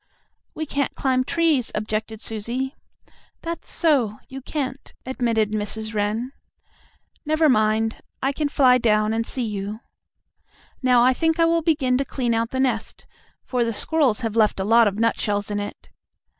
"We can't climb trees," objected Susie. "That's so you can't," admitted Mrs. Wren. "Never mind, I can fly down and see you. Now I think I will begin to clean out the nest, for the squirrels have left a lot of nutshells in it."